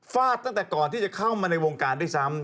ฟาดตั้งแต่ก่อนที่จะเข้ามาในวงการด้วยซ้ำ